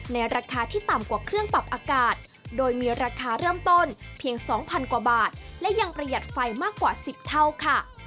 ราคาที่ต่ำกว่าเครื่องปรับอากาศโดยมีราคาเริ่มต้นเพียง๒๐๐กว่าบาทและยังประหยัดไฟมากกว่า๑๐เท่าค่ะ